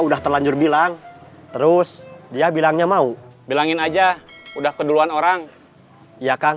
udah terlanjur bilang terus dia bilangnya mau bilangin aja udah keduluan orang ya kan